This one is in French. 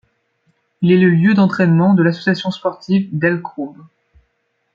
Il est le lieu d’entraînement de l’Association sportive d'El Khroub.